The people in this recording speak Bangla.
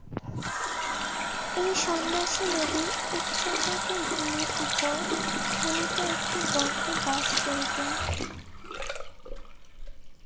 এই সন্ন্যাসী নদীর উচ্চতটভূমির উপর খনিত একটি গর্তে বাস করিতেন।